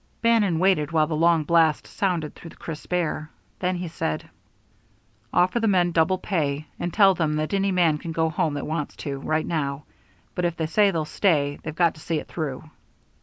Bannon waited while the long blast sounded through the crisp air. Then he said: "Offer the men double pay, and tell them that any man can go home that wants to, right now, but if they say they'll stay, they've got to see it through."